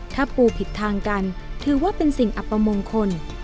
ถ้าปูผิดทางกันถือว่าเป็นสิ่งอัปมงคล